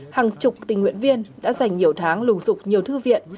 hàng chục tình nguyện viên đã dành nhiều tháng lùng nhiều thư viện